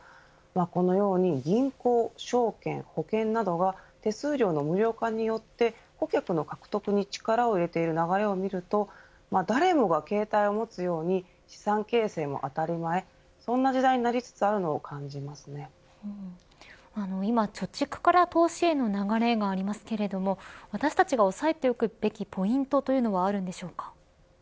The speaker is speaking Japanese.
このように銀行、証券、保険などが手数料の無料化によって顧客の獲得に力を入れている流れを見ると誰もが携帯を持つように資産形成も当たり前そんな時代になりつつあるのを今、貯蓄から投資への流れがありますけれども私たちが押さえておくべきポイントというのはあるんでしょうか。